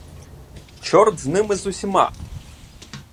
Чорт з ними з усіма!